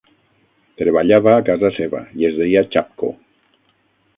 Treballava a casa seva i es deia Chapko.